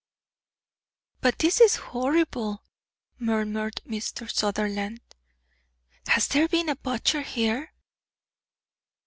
"But this is horrible," murmured Mr. Sutherland. "Has there been a butcher here?"